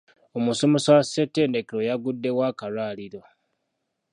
Omusomesa wa ssettendekero yagguddewo akalwaliro.